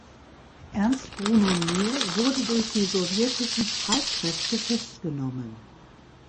Ernst Bruno Nier wurde durch die sowjetischen Streitkräfte festgenommen.